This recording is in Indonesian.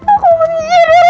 aku benci diri aku